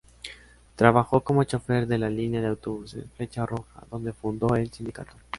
Trabajó como chofer de la línea de autobuses Flecha Roja, donde fundó el Sindicato.